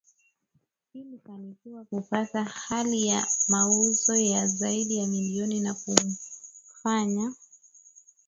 Ilifanikiwa kupata hali ya mauzo ya zaidi ya milioni na kumfanya